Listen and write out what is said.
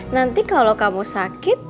nanti kalau kamu sakit